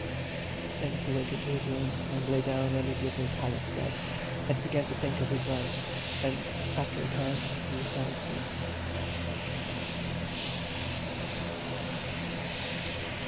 And he went into his room, and lay down on his little pallet bed, and began to think of his love; and, after a time, he fell asleep.